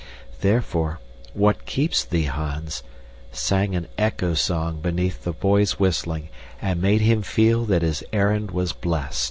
Therefore, "What keeps thee, Hans?" sang an echo song beneath the boy's whistling and made him feel that his errand was blest.